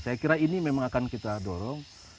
saya kira ini memang akan kita dorong